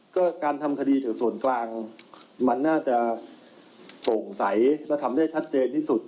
ก็การทำคดีจากส่วนกลางมันน่าจะโปร่งใสและทำได้ชัดเจนที่สุด